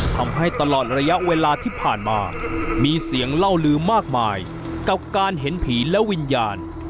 ทำให้ตลอดระยะเวลาที่ผ่านมามีเสียงเล่าลืมมากมายกับการเห็นผีและวิญญาณ